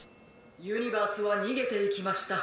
「ユニバースはにげていきました。